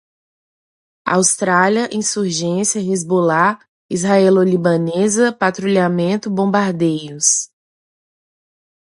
Austrália, insurgência, Hezbollah, israelo-libanesa, patrulhamento, bombardeios